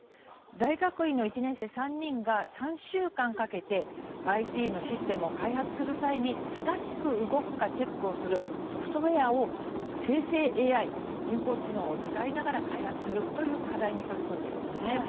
大学院の１年生３人が３週間かけてＩＴのシステムを開発する際に正しく動くかチェックをするソフトウエアを生成ＡＩ人工知能を使いながら開発するという課題に取り組んでいるんです。